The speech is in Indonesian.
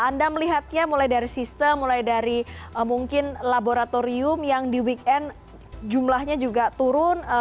anda melihatnya mulai dari sistem mulai dari mungkin laboratorium yang di weekend jumlahnya juga turun